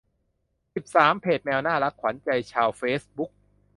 สิบสาม เพจแมวน่ารักขวัญใจชาวเฟซบุ๊ก